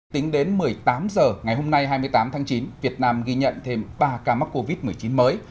tính đến một mươi tám h ngày hôm nay hai mươi tám tháng chín việt nam ghi nhận thêm ba ca mắc covid một mươi chín mới